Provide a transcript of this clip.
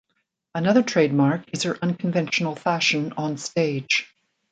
Another trademark is her unconventional fashion on stage.